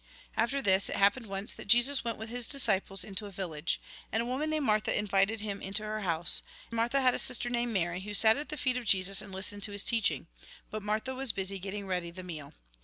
After this, it happened once that Jesus went 78 THE GOSPEL IN BRIEF with his disciples into a village. And a woman named Martha invited him into her house. Martha had a sister named Mary, who sat at the feet of Jesus, and listened to his teaching. But Martha was busy getting ready the meal.